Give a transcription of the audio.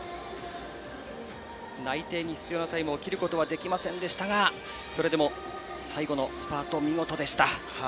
内定に必要なタイムを切ることができませんでしたが最後のスパートは見事でした。